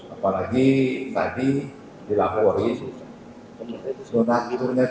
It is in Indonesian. apalagi tadi dilapori donaturnya tadi sembilan puluh enam